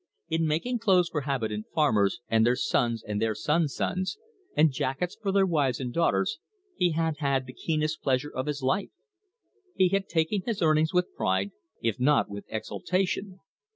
In making clothes for habitant farmers, and their sons and their sons' sons, and jackets for their wives and daughters, he had had the keenest pleasure of his life. He had taken his earnings with pride, if not with exultation.